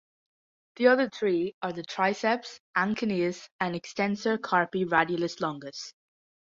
The other three are the triceps, anconeus, and extensor carpi radialis longus.